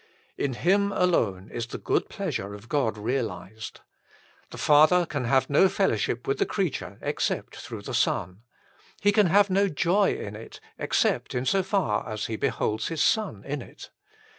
In Him alone is the good pleasure of God realised. The Father can have no fellowship with the creature except through the Son. He can have no joy in it except in so far as He beholds His Son in it.